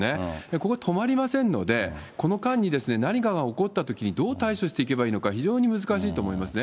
ここ、止まりませんので、この間に何かが起こったときにどう対処していけばいいのか、非常に難しいと思いますね。